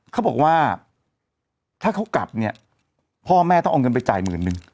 เขาบอกว่าถ้าเขากลับเนี่ยพ่อแม่ต้องเอาเงินไปจ่ายหมื่นนึง